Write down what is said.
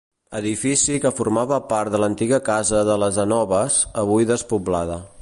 Edifici que formava part de l'antiga casa de les Anoves, avui despoblada.